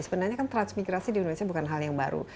sebenarnya kan transmigrasi di indonesia bukan hal yang baru